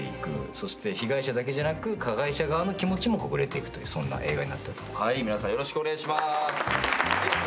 そして被害者だけじゃなく加害者側の気持ちもほぐれていくというそんな映画になっております。